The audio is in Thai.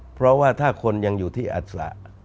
เพราะว่าถ้าคนยังอยู่ที่อัศระ